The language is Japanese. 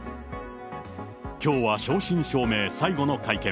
きょうは正真正銘、最後の会見。